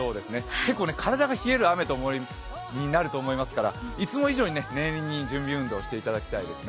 結構、体が冷える雨になると思いますからいつも以上に念入りに準備運動していただきたいですね。